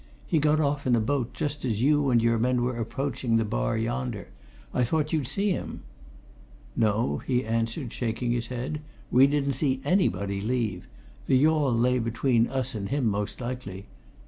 "He got off in a boat just as you and your men were approaching the bar yonder I thought you'd see him." "No," he answered, shaking his head. "We didn't see anybody leave. The yawl lay between us and him most likely.